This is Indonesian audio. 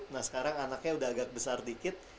nah sekarang anaknya udah agak besar dikit